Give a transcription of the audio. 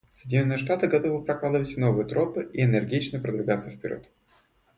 Соединенные Штаты готовы прокладывать новые тропы и энергично продвигаться вперед.